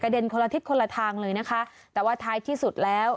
เด็นคนละทิศคนละทางเลยนะคะแต่ว่าท้ายที่สุดแล้ว